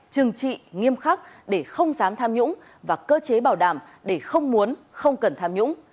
trừng trị nghiêm khắc để không dám tham nhũng và cơ chế bảo đảm để không muốn không cần tham nhũng